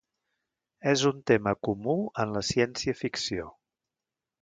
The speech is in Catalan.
És un tema comú en la ciència-ficció.